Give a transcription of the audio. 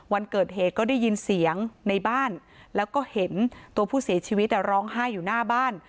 วันเกิดเหตุก็ได้ยินเสียงในบ้านแล้วก็เห็นตัวผู้เสียชีวิตร้องไห้อยู่หน้าบ้าน